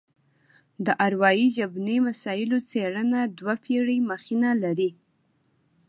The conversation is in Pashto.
د اروايي ژبني مسایلو څېړنه دوه پېړۍ مخینه لري